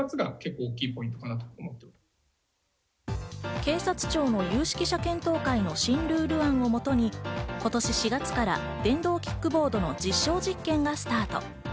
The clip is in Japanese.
警察庁の有識者検討会の新ルール案をもとに今年４月から電動キックボードの実証実験がスタート。